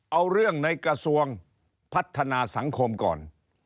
เอาเรื่องในกระทรวงพัฒนาสังคมก่อน